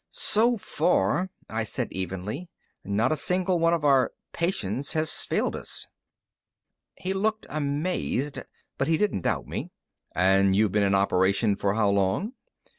"So far," I said evenly, "not a single one of our 'patients' has failed us." He looked amazed, but he didn't doubt me. "And you've been in operation for how long?"